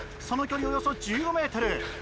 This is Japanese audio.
その距離およそ１５ｍ。